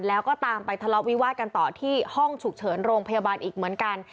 แล้วก็ตามไปทะเลาะวิวาสกันต่อที่ห้องฉุกเฉินโรงพยาบาลอีกเหมือนกัน